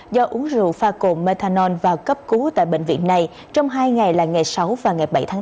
do uống rượu pha cồn methanol vào cấp cứu tại bệnh viện này trong hai ngày là ngày sáu và ngày bảy tháng bốn